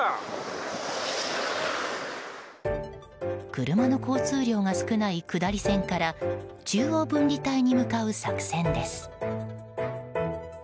車の交通量が少ない下り線から中央分離帯に向かう作戦です。